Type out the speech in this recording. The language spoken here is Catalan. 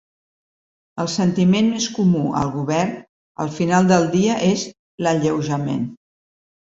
El sentiment més comú al govern al final del dia és l’alleujament.